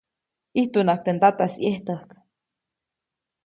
ʼIjtunaʼajk teʼ ndataʼis ʼyejtäjk.